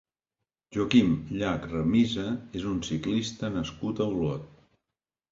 Joaquim Llach Ramisa és un ciclista nascut a Olot.